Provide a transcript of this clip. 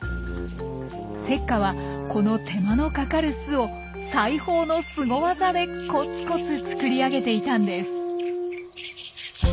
セッカはこの手間のかかる巣を裁縫のスゴ技でコツコツ作り上げていたんです。